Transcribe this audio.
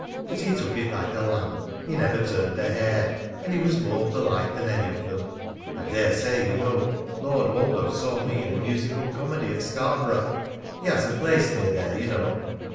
But he took it like a lamb. He never turned a hair, and he was more polite than any of them. I dare say you know Lord Woldo saw me in a musical comedy at Scarborough he has a place near there, ye know.